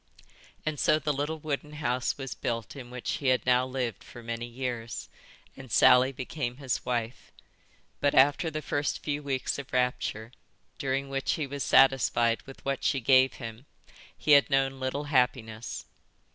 And so the little wooden house was built in which he had now lived for many years, and Sally became his wife. But after the first few weeks of rapture, during which he was satisfied with what she gave him he had known little happiness.